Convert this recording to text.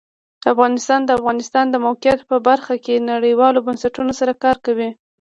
افغانستان د د افغانستان د موقعیت په برخه کې نړیوالو بنسټونو سره کار کوي.